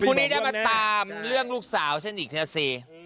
พรุ่งนี้ได้มาตามเรื่องลูกสาวฉันอีกเธอสิ